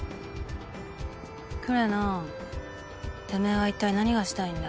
久礼野てめぇは一体何がしたいんだ？